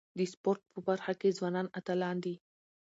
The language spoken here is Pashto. د سپورټ په برخه کي ځوانان اتلان دي.